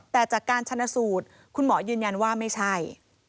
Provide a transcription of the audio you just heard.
แต่จากการชนะสูตรคุณหมอยืนยันว่าไม่ใช่